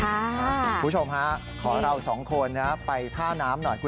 คุณผู้ชมฮะขอเราสองคนไปท่าน้ำหน่อย